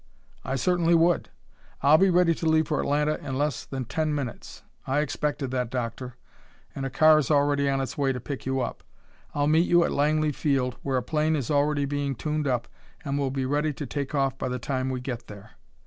"I certainly would. I'll be ready to leave for Atlanta in less than ten minutes." "I expected that, Doctor, and a car is already on its way to pick you up. I'll meet you at Langley Field where a plane is already being tuned up and will be ready to take off by the time we get there."